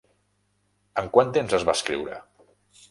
En quant temps es va escriure?